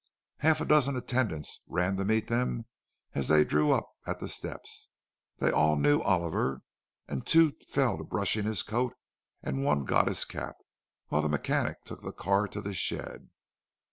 Half a dozen attendants ran to meet them as they drew up at the steps. They all knew Oliver, and two fell to brushing his coat, and one got his cap, while the mechanic took the car to the shed.